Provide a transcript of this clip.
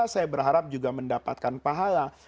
saya berharap juga mendapatkan pahala